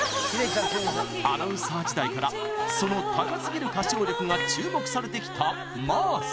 アナウンサー時代からその高すぎる歌唱力が注目されてきた真麻